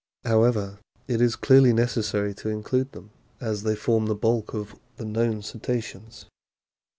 How ever, it is clearly necessary to include them, as they form the bulk of the known Cetaceans.